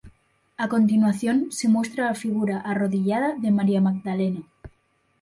A continuación se muestra la figura arrodillada de María Magdalena.